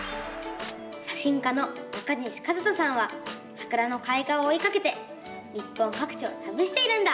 写真家の中西一登さんはさくらのかい花をおいかけて日本かく地をたびしているんだ！